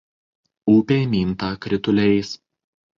Upė minta krituliais.